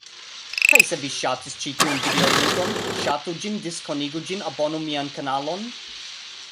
Kaj se vi ŝatis ĉi tiun videoludon, ŝatu ĝin, diskonigu ĝin, abonu mian kanalon.